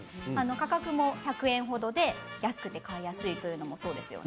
価格も１００円程で安くて買いやすいというのもそうですよね。